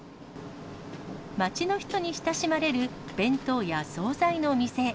街の人に親しまれる、弁当や総菜の店。